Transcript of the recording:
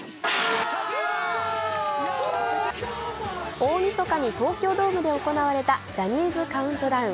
大みそかに東京ドームで行われたジャニーズカウントダウン。